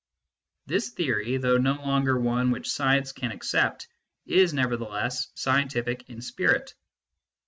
This theory, though no longer one which science can accept, is nevertheless scientific in spirit.